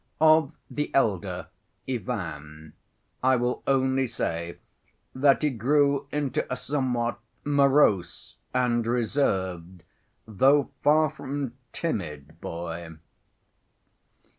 Of the elder, Ivan, I will only say that he grew into a somewhat morose and reserved, though far from timid boy.